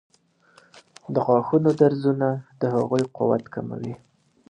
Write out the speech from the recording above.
د غاښونو درزونه د هغوی قوت کموي.